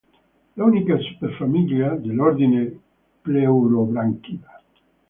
È l'unica superfamiglia dell'ordine Pleurobranchida.